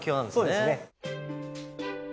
そうですね。